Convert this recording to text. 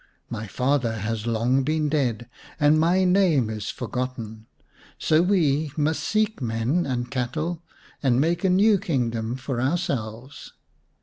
My father has long been dead and my name is forgotten, so we must seek men and cattle and make a new kingdom for ourselves.